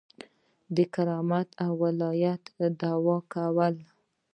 د کرامت او ولایت دعوه کوله.